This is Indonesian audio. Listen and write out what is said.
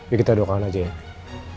yuk kita dua kali aja ya